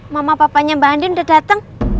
mama papanya mbak andi sudah datang